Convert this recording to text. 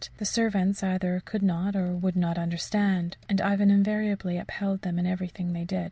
The servants either could not or would not understand, and Ivan invariably upheld them in everything they did.